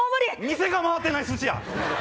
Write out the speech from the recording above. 店が回ってない寿司屋！